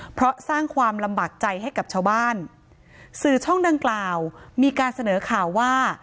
เพราะสร้างความลำบากใจให้กับชาวบ้านสื่อช่องดังกล่าวมีการเสนอข่าวว่า